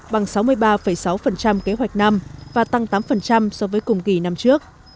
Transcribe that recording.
bằng sáu mươi ba sáu kế hoạch năm và tăng tám so với cùng kỳ năm trước